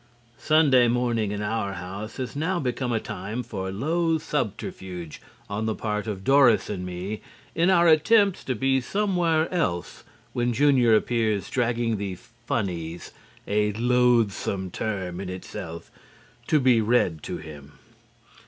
Sunday morning in our house has now become a time for low subterfuge on the part of Doris and me in our attempts to be somewhere else when Junior appears dragging the "funnies" (a loathsome term in itself) to be read to him.